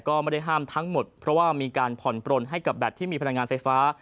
ก็ไม่ได้ห้ามทั้งหมดเพราะว่ามีการผ่อนปลนให้กับแบตที่มีพลังงานไฟฟ้า